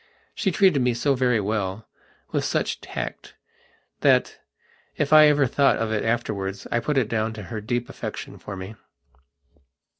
She treated me so very wellwith such tactthat, if I ever thought of it afterwards I put it down to her deep affection for me.